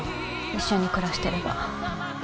一緒に暮らしてれば。